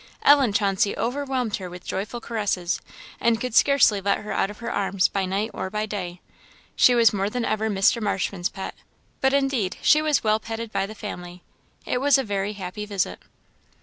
Ellen Chauncey overwhelmed her with joyful caresses, and could scarcely let her out of her arms by night or by day. She was more than ever Mr. Marshman's pet; but, indeed, she was well petted by the family. It was a very happy visit.